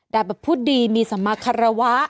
แบบพูดดีมีสมาคารวะ